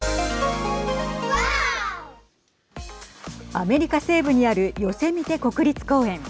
アメリカ西部にあるヨセミテ国立公園。